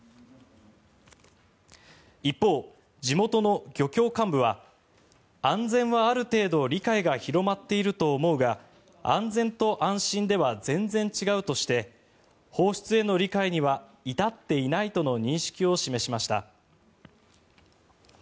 一方、地元の漁協幹部は安全はある程度理解が広まっていると思うが安全と安心では全然違うとして放出への理解には至っていないとの認識を示しました。